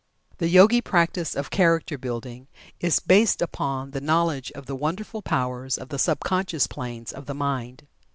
The Yogi practice of Character Building is based upon the knowledge of the wonderful powers of the sub conscious plane of the mind.